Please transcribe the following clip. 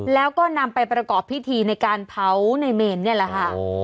แล้วก็นำไปประกอบพิธีในการเผาในเมนนี่แหละค่ะ